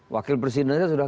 wakil presiden saya sudah